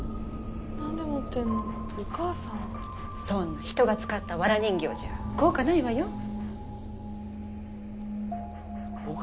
そんな人が使ったわら人形じゃ効果ないわよ